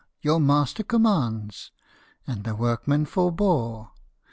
Your master commands !" and the workmen forebore.